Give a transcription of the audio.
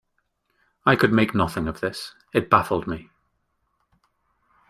I could make nothing of this. It baffled me.